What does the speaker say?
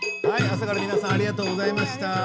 佐原の皆さんありがとうございました。